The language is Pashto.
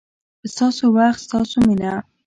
ستاسو وخت، ستاسو مینه